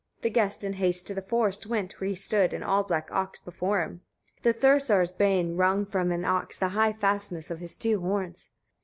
The guest in haste to the forest went, where stood an all black ox before him. 19. The Thursar's bane wrung from an ox the high fastness of his two horns.